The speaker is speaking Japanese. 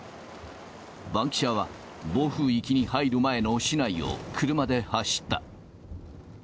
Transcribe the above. バンキシャは、暴風域に入る前の市内を車で走った。